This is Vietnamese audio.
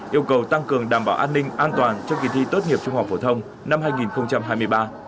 yêu cầu tăng cường đảm bảo an ninh an toàn trong kỳ thi tốt nghiệp trung học phổ thông năm hai nghìn hai mươi ba